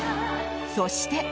そして。